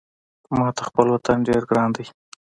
ماته خپل وطن ډېر ګران ده